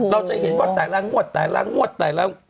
เราจะเห็นว่าแต่ละงวดแต่ละงวดแต่ละงวด